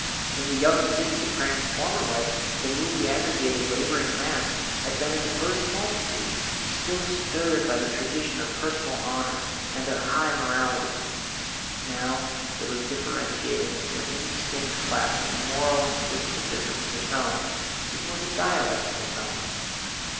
In the young cities of Graham's former life, the newly aggregated labouring mass had been a diverse multitude, still stirred by the tradition of personal honour and a high morality; now it was differentiating into an instinct class, with a moral and physical difference of its own even with a dialect of its own.